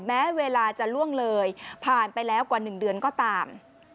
แม้เวลาจะล่วงเลยผ่านไปแล้วกว่า๑เดือนก็ตาม